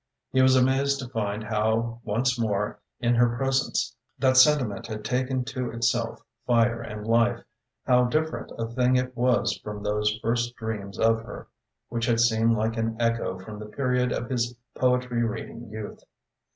He was amazed to find how once more in her presence that sentiment had taken to itself fire and life, how different a thing it was from those first dreams of her, which had seemed like an echo from the period of his poetry reading youth.